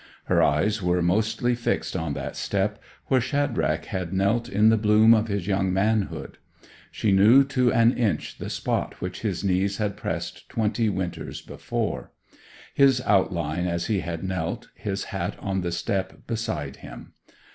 Her eyes were mostly fixed on that step, where Shadrach had knelt in the bloom of his young manhood: she knew to an inch the spot which his knees had pressed twenty winters before; his outline as he had knelt, his hat on the step beside him.